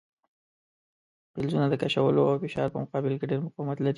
فلزونه د کشولو او فشار په مقابل کې ډیر مقاومت لري.